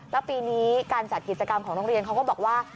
แล้วปีนี้การจัดกิจกรรมของโรงเรียนเขาก็บอกว่า